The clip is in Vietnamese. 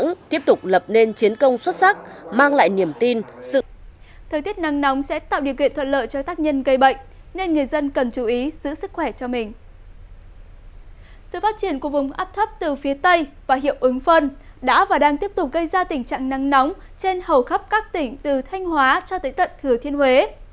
nhiều phát triển của vùng áp thấp từ phía tây và hiệu ứng phân đã và đang tiếp tục gây ra tình trạng nắng nóng trên hầu khắp các tỉnh từ thanh hóa cho tới tận thừa thiên huế